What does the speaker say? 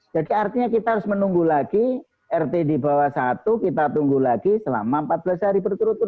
jadi artinya kita harus menunggu lagi rt di bawah satu kita tunggu lagi selama empat belas hari